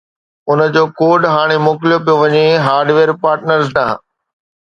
ان جو ڪوڊ ھاڻي موڪليو پيو وڃي هارڊويئر پارٽنرز ڏانھن